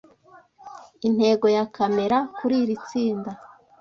Intego ya kamera kuri iri tsinda.